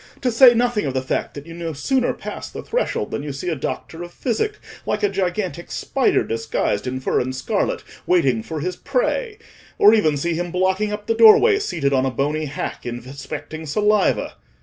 —to say nothing of the fact that you no sooner pass the threshold than you see a doctor of physic, like a gigantic spider disguised in fur and scarlet, waiting for his prey; or even see him blocking up the doorway seated on a bony hack, inspecting saliva.